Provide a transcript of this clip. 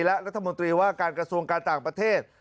และรัฐมนตรีว่าการกระทรวงการต่างประเทศ